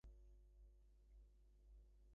কী করছি মানে?